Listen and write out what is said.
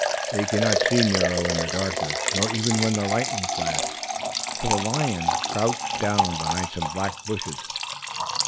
They could not see Nero in the darkness, nor even when the lightning flashed, for the lion crouched down behind some black bushes.